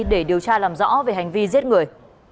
để điều tra làm rõ về hành vi giết người